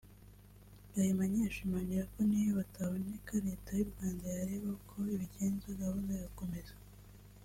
Gahamanyi ashimangira ko n’iyo bataboneka “Leta y’u Rwanda yareba uko ibigenza gahunda igakomeza